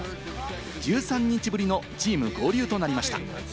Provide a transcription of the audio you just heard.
１３日ぶりのチーム合流となりました。